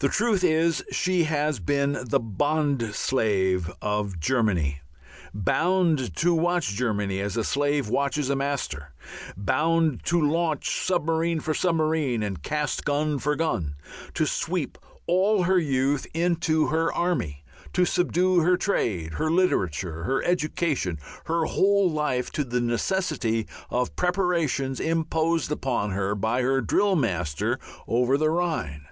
The truth is, she has been the bond slave of Germany, bound to watch Germany as a slave watches a master, bound to launch submarine for submarine and cast gun for gun, to sweep all her youth into her army, to subdue her trade, her literature, her education, her whole life to the necessity of preparations imposed upon her by her drill master over the Rhine.